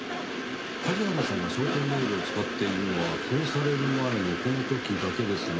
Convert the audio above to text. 梶原さんがショートメールを使っているのは殺される前のこの時だけですねぇ。